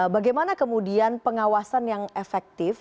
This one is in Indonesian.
bagaimana kemudian pengawasan yang efektif